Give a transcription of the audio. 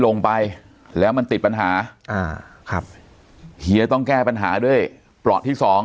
ลงไปแล้วมันติดปัญหาอ่าครับเฮียต้องแก้ปัญหาด้วยเปราะที่สอง